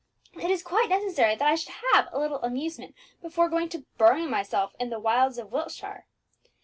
"It is quite necessary that I should have a little amusement before going to bury myself in the wilds of Wiltshire.